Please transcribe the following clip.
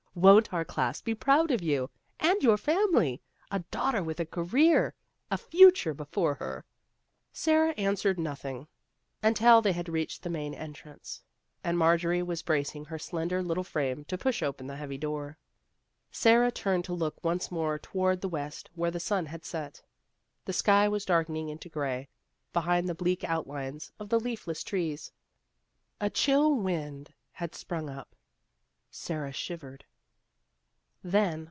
Won't our class be proud of you ! And your family ! A daughter with a Career a Future before her !" Sara answered nothing until they had Vassar Studies reached the main entrance, and Mar jorie was bracing 1 her slender little frame to push open the heavy door. Sara turned to look once more towards the west where the sun had set. The sky was darkening into gray, behind the bleak outlines of the leafless trees. A chill wind had sprung up. Sara shivered.